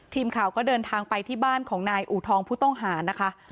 ทีมข่าวก็เดินทางไปที่บ้านของนายอูทองผู้ต้องหานะคะ